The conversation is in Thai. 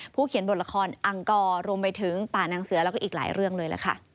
เขียนบทละครอังกรรวมไปถึงป่านางเสือแล้วก็อีกหลายเรื่องเลยล่ะค่ะ